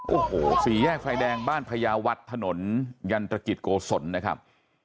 โอ้โหสี่แยกไฟแดงบ้านพญาวัฒน์ถนนยันตรกิจโกศลนะครับ